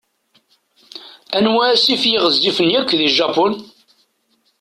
Anwa asif i yeɣezzifen yakk di Japun?